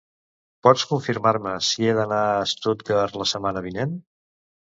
Pots confirmar-me si he d'anar a Stuttgart la setmana vinent?